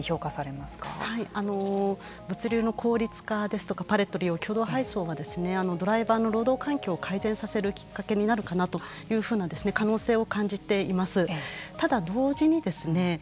こういった取り組み物流の効率化ですとかパレットの利用共同配送はドライバーの労働環境を改善させるきっかけになるかなというふうな可能性を感じています。